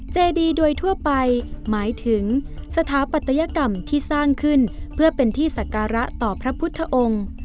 เจดีโดยทั่วไปหมายถึงสถาปัตยกรรมที่สร้างขึ้นเพื่อเป็นที่ศักระต่อพระพุทธองค์